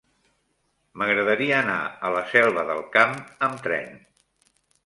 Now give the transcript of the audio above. M'agradaria anar a la Selva del Camp amb tren.